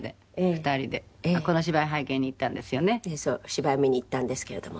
芝居見に行ったんですけれども。